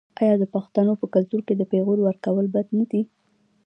آیا د پښتنو په کلتور کې د پیغور ورکول بد نه دي؟